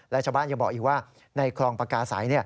และชาวบ้านยังบอกอีกว่าในคลองปากาศัย